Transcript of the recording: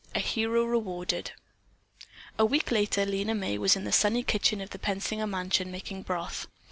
A HERO REWARDED A week later Lena May was in the sunny kitchen of the Pensinger mansion making broth.